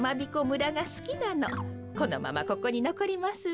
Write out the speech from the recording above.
このままここにのこりますわ。